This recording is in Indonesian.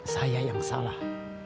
saya yang salah